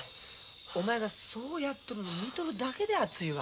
お前がそうやっとるのを見とるだけで暑いわ。